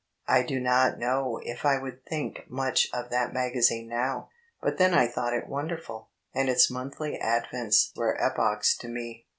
I do not know if I would think much of that magazine now, but then I thought it wonderful, and its monthly advents were epochs to me.